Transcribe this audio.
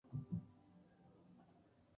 Se encuentran en África: Mozambique y Sudáfrica.